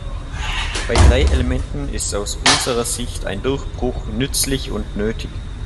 Bei drei Elementen ist aus unserer Sicht ein Durchbruch nützlich und nötig.